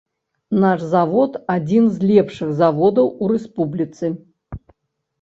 Наш завод адзін з лепшых заводаў ў рэспубліцы.